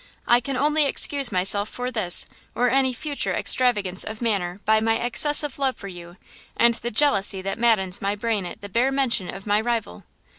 I can only excuse myself for this or any future extravagance of manner by my excessive love for you and the jealousy that maddens my brain at the bare mention of my rival.